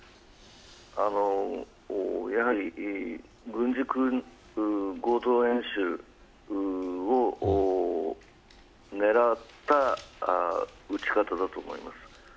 やはり、合同演習を狙った撃ち方だと思います。